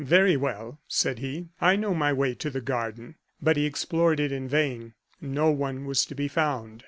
"Very well," said he; "I know my way to the garden." But he explored it in vain; no one was to be found.